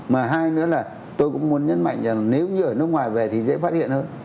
mà hai nữa là tôi cũng muốn nhấn mạnh rằng nếu như ở nước ngoài về thì dễ phát hiện hơn